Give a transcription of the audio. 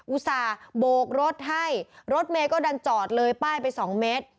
อุตส่าห์โบกรถให้รถเมย์ก็ดันจอดเลยป้ายไปสองเมตร